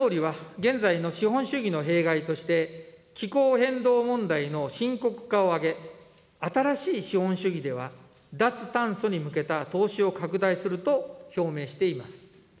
岸田総理は現在の資本主義の弊害として、気候変動問題の深刻化を挙げ、新しい資本主義では、脱炭素に向けた投資を拡大すると表明しています。